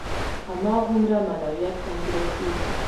هماغومره معنویت کمزوری کېږي.